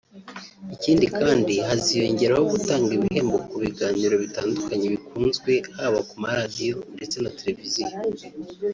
Ikindi kandi haziyongeraho gutanga ibihembo ku biganiro bitandukanye bikunzwe haba ku ma radiyo ndetse na za televiziyo